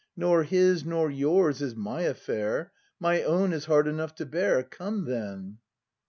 Nor his nor yours is my affair; My own is hard enough to bear. Come then!